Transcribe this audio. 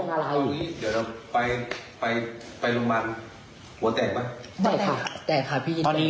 อ้าวอ๊อแหละหมด